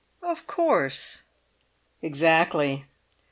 "Of course." "Exactly!